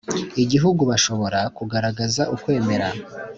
Igihugu bashobora kugaragaza ukwemera